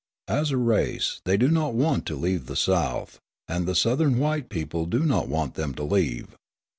As a race, they do not want to leave the South, and the Southern white people do not want them to leave.